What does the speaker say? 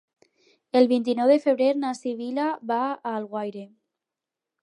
El vint-i-nou de febrer na Sibil·la va a Alguaire.